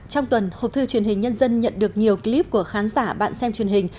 trong tuần hộp thư truyền hình nhân dân nhận được nhiều clip của khán giả bạn xem truyền hình